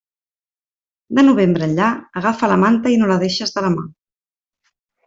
De novembre enllà, agafa la manta i no la deixes de la mà.